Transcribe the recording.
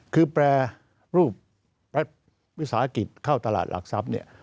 คือแปรรูปวิสาหกิจเข้าตลาดหลักทรัพย์เนี่ย